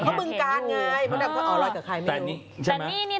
เพราะมึงการไงลอยกับใครไม่รู้